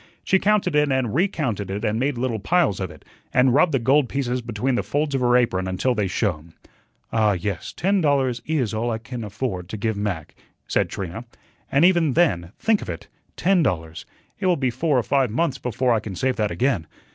She counted it and recounted it and made little piles of it, and rubbed the gold pieces between the folds of her apron until they shone. "Ah, yes, ten dollars is all I can afford to give Mac," said Trina, "and even then, think of it, ten dollars it will be four or five months before I can save that again.